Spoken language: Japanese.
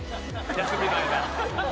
休みの間。